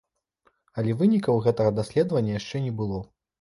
Але вынікаў гэтага даследавання яшчэ не было.